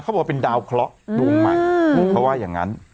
บอกว่าเป็นดาวเคราะห์ดวงใหม่เขาว่าอย่างนั้น